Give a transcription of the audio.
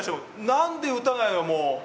何で打たないの。